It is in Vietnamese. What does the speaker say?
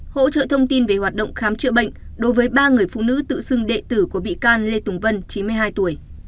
hỗ trợ thông tin về hoạt động khám chữa bệnh đối với ba người phụ nữ tự xưng đệ tử của bị can lê tùng vân chín mươi hai tuổi